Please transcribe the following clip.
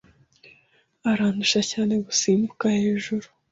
Arandusha cyane gusimbuka hejuru.